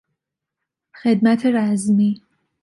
خدمت رزمی